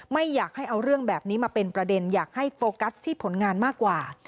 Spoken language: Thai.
ไม่อยากให้เอาเรื่องแบบนี้มาเป็นประเด็นอยากให้โฟกัสที่ผลงานมากกว่า